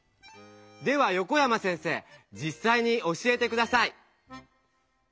では横山先生じっさいに教えて下さい。